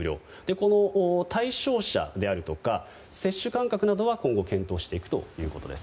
この対象者であるとか接種間隔などは今後、検討していくということです。